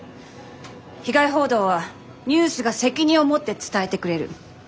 被害報道はニュースが責任を持って伝えてくれる。